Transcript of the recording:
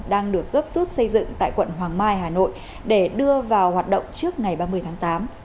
đang được gấp rút xây dựng tại quận hoàng mai hà nội để đưa vào hoạt động trước ngày ba mươi tháng tám